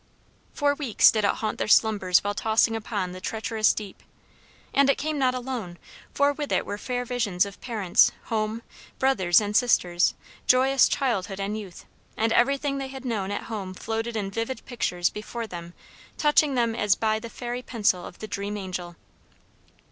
For weeks did it haunt their slumbers while tossing upon the treacherous deep. And it came not alone; for with it were fair visions of parents, home, brothers, and sisters, joyous childhood and youth, and everything they had known at home floated in vivid pictures before them touching them as by the fairy pencil of the dream angel.